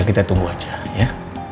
kita tunggu aja ya